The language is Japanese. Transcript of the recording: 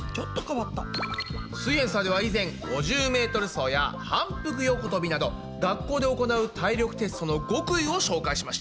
「すイエんサー」では以前５０ｍ走や反復横とびなど学校で行う体力テストの極意を紹介しました。